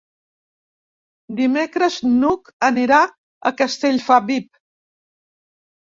Dimecres n'Hug anirà a Castellfabib.